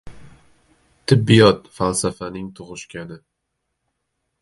Tibbiyot — falsafaning tug‘ishgani.